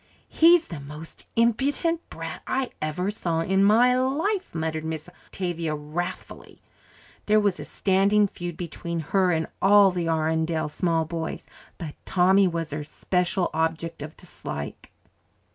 "He's the most impudent brat I ever saw in my life," muttered Miss Octavia wrathfully. There was a standing feud between her and all the Arundel small boys, but Tommy was her special object of dislike.